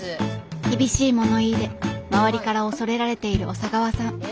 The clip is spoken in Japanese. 厳しい物言いで周りから恐れられている小佐川さん。